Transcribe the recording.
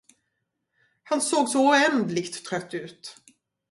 Han såg så oändligt trött ut.